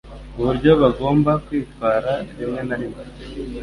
uburyo bagomba kwitwara rimwe na rimwe